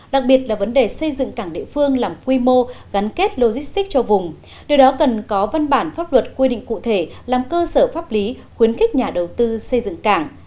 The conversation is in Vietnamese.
đặc biệt là vấn đề xây dựng cảng địa phương làm quy mô gắn kết logistic cho vùng điều đó cần có văn bản pháp luật quy định cụ thể làm cơ sở pháp lý khuyến khích nhà đầu tư xây dựng cảng